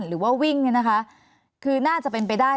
หรือว่าวิ่งน่าจะเป็นไปได้